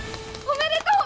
おめでとう！